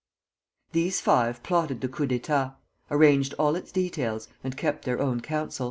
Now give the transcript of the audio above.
These five plotted the coup d'état; arranged all its details, and kept their own counsel.